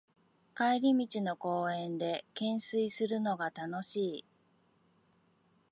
帰り道の公園でけんすいするのが楽しい